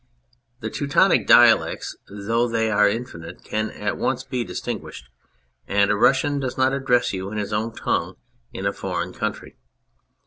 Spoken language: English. The Teutonic dialects, though they are infinite, can at once be distinguished, and a Russian does not address you in his own tongue in a foreign country.